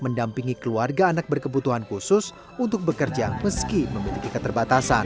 mendampingi keluarga anak berkebutuhan khusus untuk bekerja meski memiliki keterbatasan